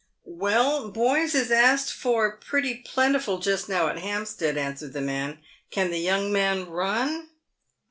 " "Well, boys is asked for pretty plentiful just now at Hampstead," answered the man. " Can the young man run